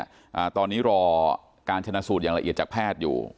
อ่าตอนนี้รอการชนะสูตรอย่างละเอียดจากแพทย์อยู่